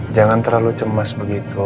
jangan terlalu cemas begitu